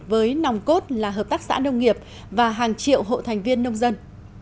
với nòng cốt là hợp tác xã nông nghiệp và hàng triệu hộ thành viên nông dân